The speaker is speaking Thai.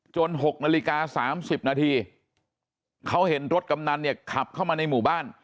๖นาฬิกา๓๐นาทีเขาเห็นรถกำนันเนี่ยขับเข้ามาในหมู่บ้าน